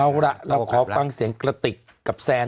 เอาล่ะเราขอฟังเสียงกระติกกับแซน